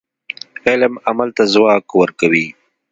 علم عمل ته ځواک ورکوي.